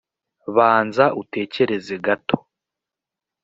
banza utekereze gato